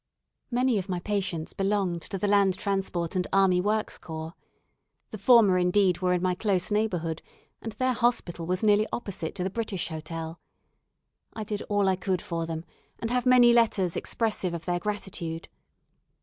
Many of my patients belonged to the Land Transport and Army Works Corps. The former indeed were in my close neighbourhood, and their hospital was nearly opposite to the British Hotel. I did all I could for them, and have many letters expressive of their gratitude.